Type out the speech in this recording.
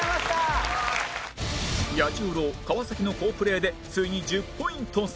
彌十郎川の好プレーでついに１０ポイント差